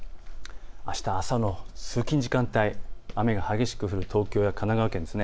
あした朝の通勤時間帯雨が激しく降る東京や神奈川県。